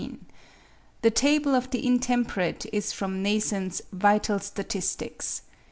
The table of the intemperate is from Neison's 'Vital Statistics.